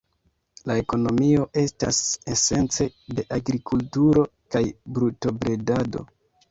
La ekonomio estas esence de agrikulturo kaj brutobredado.